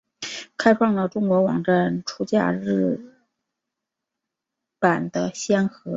开创了中国网站出假日版的先河。